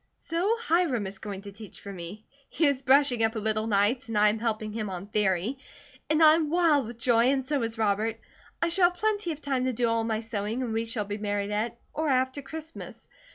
So Hiram is going to teach for me. He is brushing up a little nights and I am helping him on "theory," and I am wild with joy, and so is Robert. I shall have plenty of time to do all my sewing and we shall be married at, or after, Christmas.